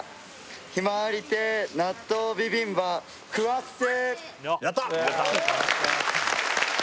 「ひまわり亭納豆ビビンバ食わっせ！」